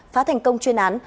phá thành công chuyên án